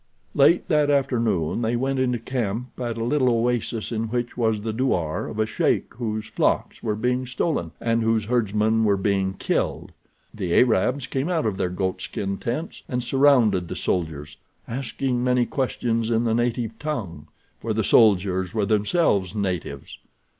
Late that afternoon they went into camp at a little oasis in which was the douar of a sheik whose flocks were being stolen, and whose herdsmen were being killed. The Arabs came out of their goatskin tents, and surrounded the soldiers, asking many questions in the native tongue, for the soldiers were themselves natives.